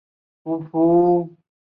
之后基辅的中心转移到波迪尔区。